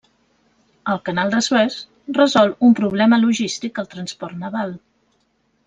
El Canal de Suez resol un problema logístic al transport naval.